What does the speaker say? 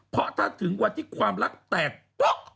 เพราะถ้าถึงวันที่ความรักแตกป๊อก